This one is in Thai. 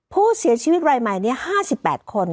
ผู้เสียชีวิตรายใหม่นี้๕๘คน